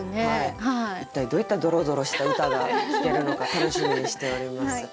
一体どういったドロドロした歌が聞けるのか楽しみにしております。